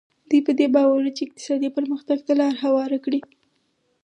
دوی په دې باور وو چې اقتصادي پرمختګ ته لار هواره کړي.